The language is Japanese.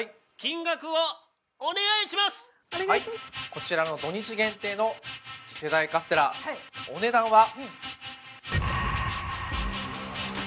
こちらの土日限定の次世代カステラお値段は。